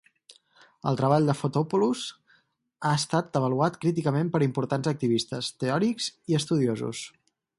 El treball de Fotopoulos ha estat avaluat críticament per importants activistes, teòrics i estudiosos.